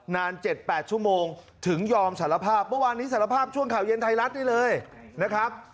๗๘ชั่วโมงถึงยอมสารภาพเมื่อวานนี้สารภาพช่วงข่าวเย็นไทยรัฐได้เลยนะครับ